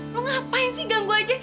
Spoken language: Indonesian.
lo ngapain sih ganggu aja